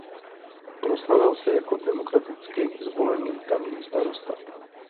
Proslavil se jako demokraticky zvolený tamní starosta.